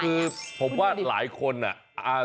คือผมว่าหลายคนอ่ะ